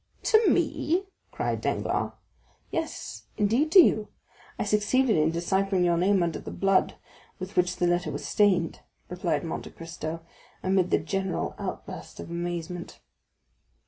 "To me?" cried Danglars. "Yes, indeed, to you; I succeeded in deciphering your name under the blood with which the letter was stained," replied Monte Cristo, amid the general outburst of amazement.